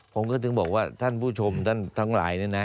ผมก็ถึงบอกว่าท่านผู้ชมท่านทั้งหลายเนี่ยนะ